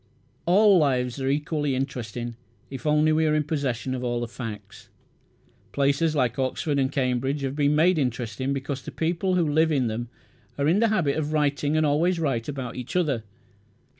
All lives are equally interesting if only we are in possession of all the facts. Places like Oxford and Cambridge have been made interesting because the people who live in them are in the habit of writing, and always write about each other.